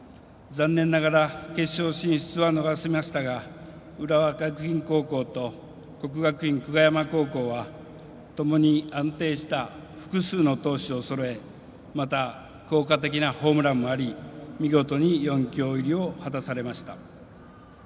残念ながら決勝進出は逃しましたが浦和学院高校と国学院久我山高校はともに安定した複数の投手をそろえまた、効果的なホームランもあり見事に４強入りを果たされました。